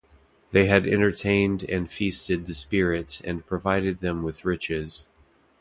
They had entertained and feasted the spirits and provided them with riches.